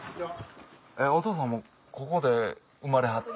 お父さんもここで生まれはって。